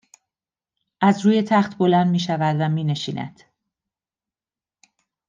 از روی تخت بلند میشود و مینشیند